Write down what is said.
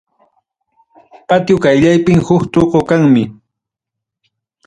Patio qayllanpim huk tuqu kanmi.